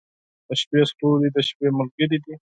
• د شپې ستوري د شپې ملګري دي.